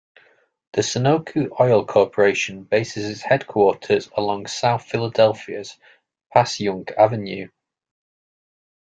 The Sunoco oil corporation bases its headquarters along South Philadelphia's Passyunk Avenue.